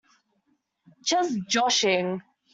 Just joshing!